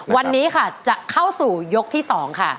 วันนี้ค่ะจะเข้าสู่ยกที่๒ค่ะ